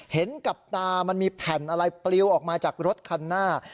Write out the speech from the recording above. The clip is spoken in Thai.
เห็นกับตามันมีแผ่นอะไรปลิวออกมาจากรถคันหน้า